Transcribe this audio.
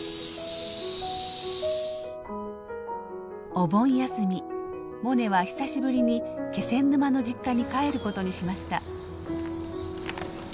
お盆休みモネは久しぶりに気仙沼の実家に帰ることにしました。